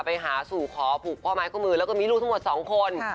ไปหาสู่ขอผูกข้อไม้ข้อมือแล้วก็มีลูกทั้งหมด๒คน